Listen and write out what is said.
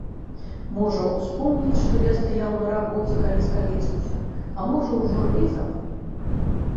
Можа, успомняць, што я стаяў на рабоце, калі скалечыўся, а можа, ужо і забылі.